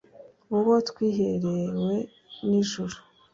uwo twiherewe n'ijuru